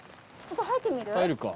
ちょっと入ってみる？